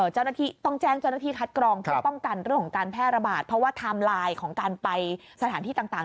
เจ้าหน้าที่คัดกรองเชื่อต้องกันเรื่องของการแพร่ระบาดเพราะว่าทไรม์ของการไปสถานที่ต่าง